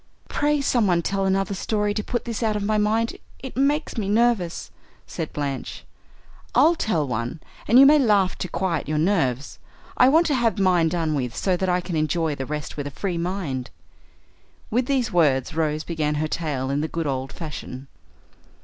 "Pray someone tell another story to put this out of my mind; it makes me nervous," said Blanche. "I'll tell one, and you may laugh to quiet your nerves. I want to have mine done with, so that I can enjoy the rest with a free mind." With these words Rose began her tale in the good old fashion.